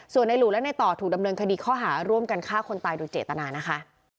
ส่วนในหลู่และในต่อถูกดำเนินคดีข้อหาร่วมกันฆ่าคนตายโดยเจตนานะคะ